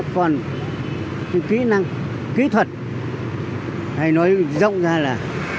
còn những kỹ năng kỹ thuật hay nói rộng ra là